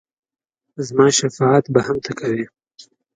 زما شفاعت به هم ته کوې !